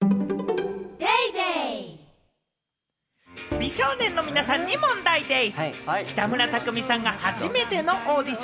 美少年の皆さんに問題でぃす！